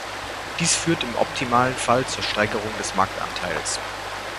Dies führt im optimalen Fall zur Steigerung des Marktanteils.